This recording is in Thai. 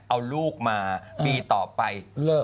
เอาลูกมาปีต่อไป